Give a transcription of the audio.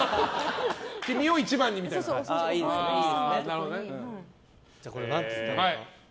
君を一番にみたいな感じ？